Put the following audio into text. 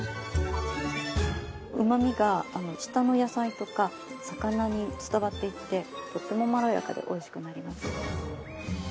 うまみが下の野菜とか魚に伝わっていってとてもまろやかで美味しくなります。